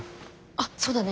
あっそうだね。